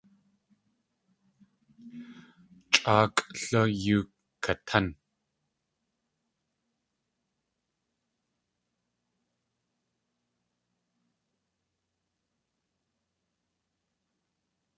Chʼáakʼ lú yóo katán.